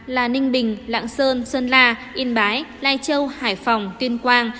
là ninh bình lạng sơn sơn la yên bái lai châu hải phòng tuyên quang